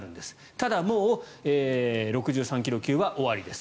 ただ、もう６３ｋｇ級は終わりです。